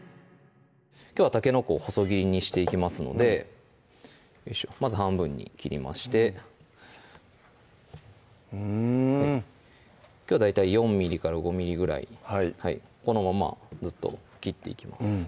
きょうはたけのこを細切りにしていきますのでまず半分に切りましてうんきょうは大体４ｍｍ５ｍｍぐらいこのままずっと切っていきます